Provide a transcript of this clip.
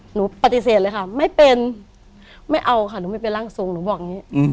หนูปฏิเสธเลยค่ะไม่เป็นไม่เอาค่ะหนูไม่เป็นร่างทรงหนูบอกอย่างนี้